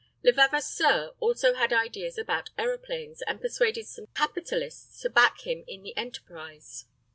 Levavasseur also had ideas about aeroplanes, and persuaded some capitalists to back him in the enterprise.